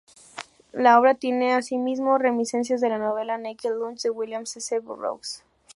La obra tiene, asimismo, reminiscencias de la novela "Naked Lunch", de William S. Burroughs.